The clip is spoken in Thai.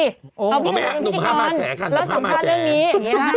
เอาพี่หนุ่มไปกับพี่ก่อนแล้วสำคัญเรื่องนี้อย่างนี้ฮะ